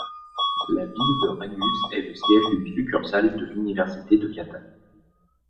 La ville de Raguse est le siège d'une succursale de l'Université de Catane.